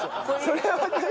それはわかる。